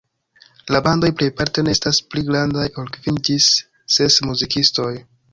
La bandoj plejparte ne estas pli grandaj ol kvin ĝis ses muzikistoj.